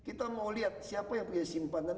kita mau lihat siapa yang punya simpanan